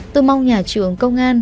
tôi mong nhà trường công an vào